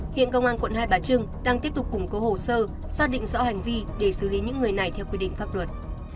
hiện công an quận hai bà trưng đang tiếp tục củng cố hồ sơ xác định rõ hành vi để xử lý những người này theo quy định pháp luật